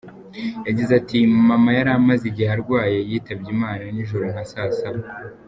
Yagize ati “Mama yari amaze igihe arwaye, yitabye Imana nijoro nka saa saba.